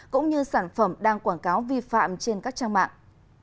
cũng như sản phẩm đang quảng cáo vi phạm trên các trang mạng